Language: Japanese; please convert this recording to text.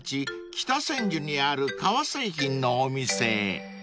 北千住にある革製品のお店へ］